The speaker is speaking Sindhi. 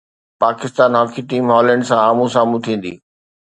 پاڪستان هاڪي ٽيم هالينڊ سان آمهون سامهون ٿيندي